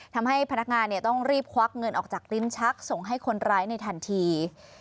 ทำให้พนักงานต้องรีบควักเงินออกจากลิ้นชักส่งให้คนร้ายในทันที